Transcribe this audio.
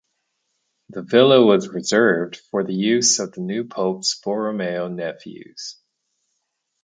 The Villa was reserved for the use of the new pope's Borromeo nephews.